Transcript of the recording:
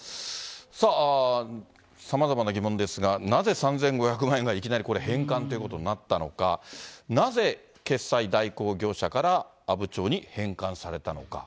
さあ、さまざまな疑問ですが、なぜ３５００万円がいきなり、これ、返還ということになったのか、なぜ決済代行業者から阿武町に返還されたのか。